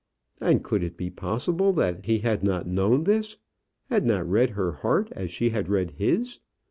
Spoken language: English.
And could it be possible that he had not known this had not read her heart as she had read his?